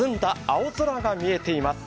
青空が見えています。